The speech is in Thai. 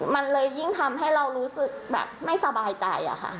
มันเลยยิ่งทำให้เรารู้สึกแบบไม่สบายใจอะค่ะ